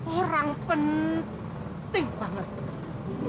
orang penting banget